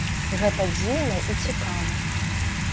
Гэта дзіўна і цікава.